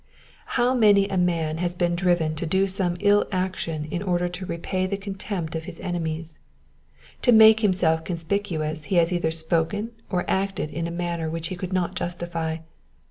How many a man has been driven to do some ill action in order to reply to t\)e contempt of his enemies : to make himself conspicuous he has either spoken or acted in a manner which he could not justify.